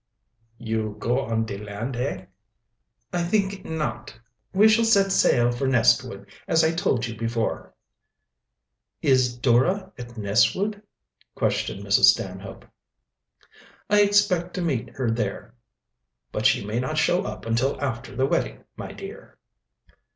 "You go on de land, hey?" "I think not. We shall set sail for Nestwood, as I told you before." "Is Dora at Nestwood?" questioned Mrs. Stanhope. "I expect to meet her there. But she may not show up until after the wedding, my dear."